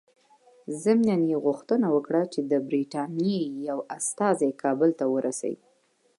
ضمناً یې غوښتنه وکړه چې د برټانیې یو استازی کابل ته ورسي.